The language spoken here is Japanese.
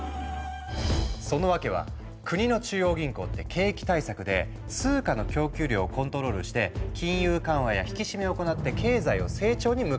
その訳は国の中央銀行って景気対策で通貨の供給量をコントロールして金融緩和や引き締めを行って経済を成長に向かわせているの。